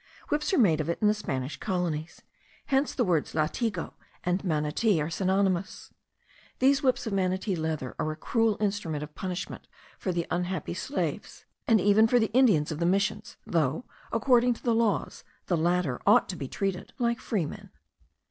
Whips are made of it in the Spanish colonies. Hence the words latigo and manati are synonymous. These whips of manatee leather are a cruel instrument of punishment for the unhappy slaves, and even for the Indians of the Missions, though, according to the laws, the latter ought to be treated like freemen.